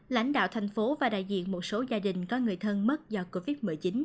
lãnh đạo thành phố và đại diện một số gia đình có người thân mất do covid một mươi chín